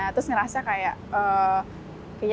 terus ngerasa kayaknya ini perlu bantuan kayaknya